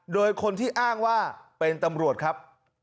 โดยคนที่อ้างว่าเป็นตำรวจครับ